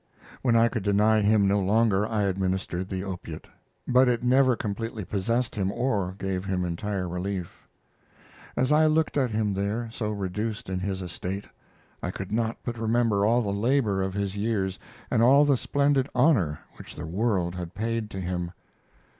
When I could deny him no longer I administered the opiate, but it never completely possessed him or gave him entire relief. As I looked at him there, so reduced in his estate, I could not but remember all the labor of his years, and all the splendid honor which the world had paid to him.